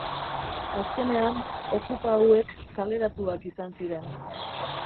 Azkenean, okupa hauek kaleratuak izan ziren.